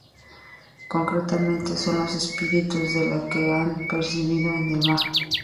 Concretamente son los espíritus de los que han perecido en el mar.